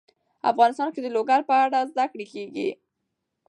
افغانستان کې د لوگر په اړه زده کړه کېږي.